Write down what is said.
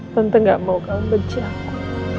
tante gak mau kamu benci aku